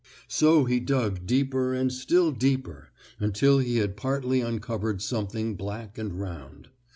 So he dug deeper and still deeper until he had partly uncovered something black and round.